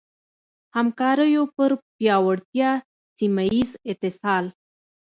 همکاریو پر پیاوړتیا ، سيمهييز اتصال